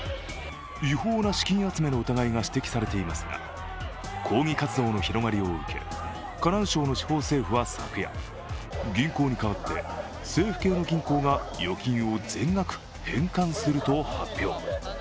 違法な資金集めの疑いが指摘されていますが、抗議活動の広まりを受け、河南省の地方政府は昨夜銀行に代わって政府系の銀行が預金を全額返還すると発表。